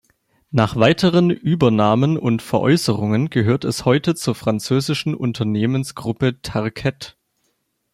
Nach weiteren Übernahmen und Veräußerungen gehört es heute zur französischen Unternehmensgruppe Tarkett.